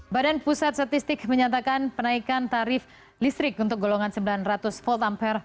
badan pusat statistik menyatakan penaikan tarif listrik untuk golongan sembilan ratus volt ampere